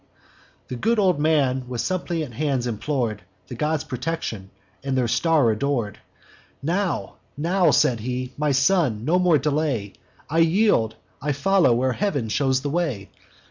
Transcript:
"The good old man with suppliant hands implor'd The gods' protection, and their star ador'd. 'Now, now,' said he, 'my son, no more delay! I yield, I follow where Heav'n shews the way.